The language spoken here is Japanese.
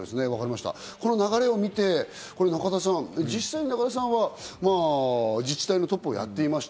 この流れを見て、中田さん、実際、中田さんは自治体のトップをやっていました。